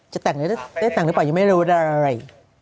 ได้แต่งหรือเปล่ายังไม่รู้ได้